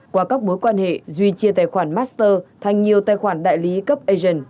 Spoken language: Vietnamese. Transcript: qua các bối quan hệ duy chia tài khoản master thành nhiều tài khoản đại lý cấp agent